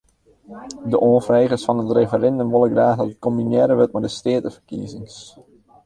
De oanfregers fan it referindum wolle graach dat it kombinearre wurdt mei de steateferkiezings.